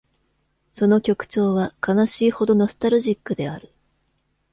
その曲調は悲しいほどノスタルジックである。